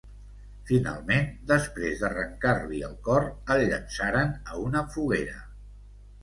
Finalment, després d'arrencar-li el cor, el llançaren a una foguera.